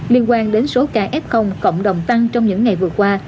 liên quan đến số ca f cộng đồng tăng trong những ngày vừa qua